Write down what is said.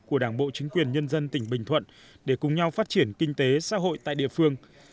của đảng bộ chính quyền nhân dân tỉnh bình thuận để cùng nhau phát triển kinh tế xã hội tại địa phương